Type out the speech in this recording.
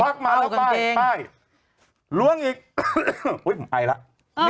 โหยวายโหยวายโหยวายโหยวายโหยวาย